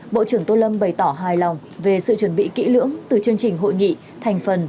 bộ trưởng tô lâm bày tỏ hài lòng về sự chuẩn bị kỹ lưỡng từ chương trình hội nghị thành phần